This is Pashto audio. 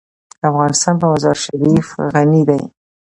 افغانستان په مزارشریف غني دی.